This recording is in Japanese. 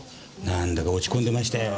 なんだか落ち込んでましたよ。